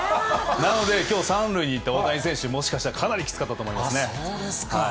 なので、きょう３塁に行った大谷選手、もしかしたら、かなりきつかったそうですか。